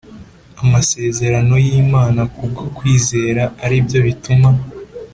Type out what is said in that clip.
amasezerano yimana kubwo kwizera aribyo bituma